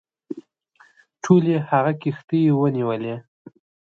ټولي هغه کښتۍ ونیولې.